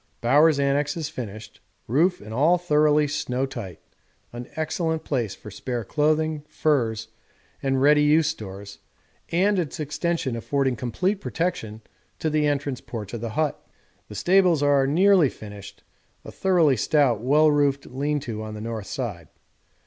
Bowers' annexe is finished, roof and all thoroughly snow tight; an excellent place for spare clothing, furs, and ready use stores, and its extension affording complete protection to the entrance porch of the hut. The stables are nearly finished a thoroughly stout well roofed lean to on the north side.